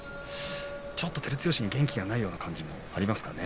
ちょっと照強に元気がないような気がしますね。